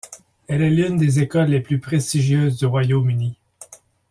Elle est l'une des écoles les plus prestigieuses du Royaume-Uni.